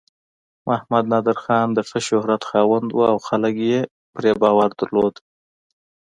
محمد نادر خان د ښه شهرت خاوند و او خلک یې پرې باور درلود.